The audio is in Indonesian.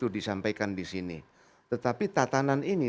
disampaikan di sini tetapi tatanan ini